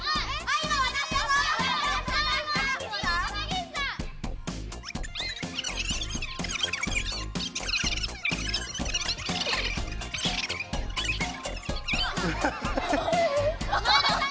今前田さん？